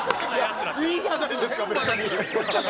いいじゃないですか別に。